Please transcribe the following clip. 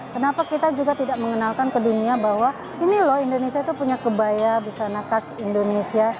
kenapa kita juga tidak mengenalkan ke dunia bahwa ini loh indonesia itu punya kebaya busana khas indonesia